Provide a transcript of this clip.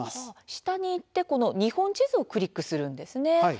下にいって日本地図をクリックするんですね。